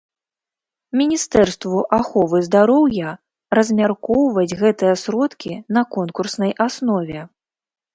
Міністэрству аховы здароўя размяркоўваць гэтыя сродкі на конкурснай аснове.